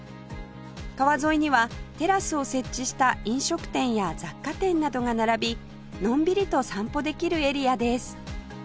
川沿いにはテラスを設置した飲食店や雑貨店などが並びのんびりと散歩できるエリアです